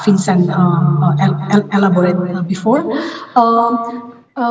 vincent telah mengelaborkan sebelumnya